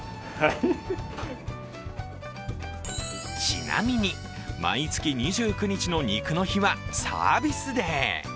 ちなみに毎月２９日の「ニクの日」はサービスデー。